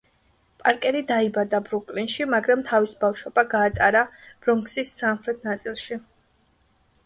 პარკერი დაიბადა ბრუკლინში, მაგრამ თავის ბავშვობა გაატარა ბრონქს–ის სამხრეთ ნაწილში.